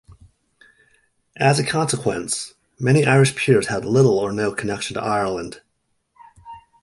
As a consequence, many Irish peers had little or no connection to Ireland.